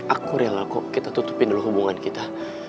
aku rela kok kita tutupin dulu hubungan kita